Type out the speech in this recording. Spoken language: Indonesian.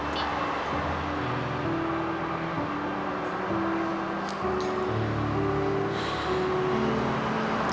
aku pulang aja ya